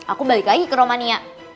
aku balik lagi ke romania